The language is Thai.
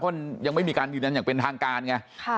เพราะมันยังไม่มีการยืนยันอย่างเป็นทางการไง